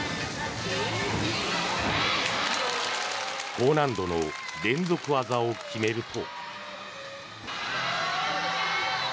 高難度の連続技を決めると。